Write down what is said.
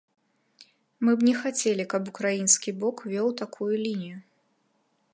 Мы б не хацелі, каб украінскі бок вёў такую лінію.